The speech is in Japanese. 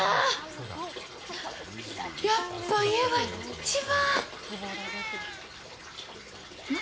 やっぱ家が一番！